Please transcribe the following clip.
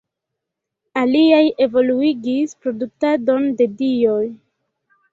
Aliaj evoluigis produktadon de dioj.